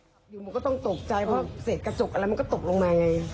พวกบะหมี่กึ่งสำเร็จรูปอ่ะ